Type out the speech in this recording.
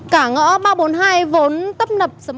cả ngõ ba trăm bốn mươi hai vốn tấp nập